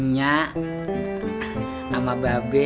nyak sama babe